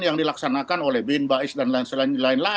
yang dilaksanakan oleh bin bais dan lain lain